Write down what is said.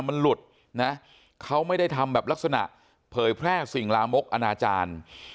มันหลุดนะเขาไม่ได้ทำแบบลักษณะเผยแพร่สิ่งลามกอนาจารย์